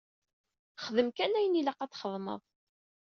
Xdem kan ayen ilaq ad txedmeḍ.